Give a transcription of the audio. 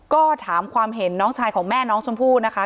ก็ถามความเห็นน้องชายของแม่น้องชมพู่นะคะ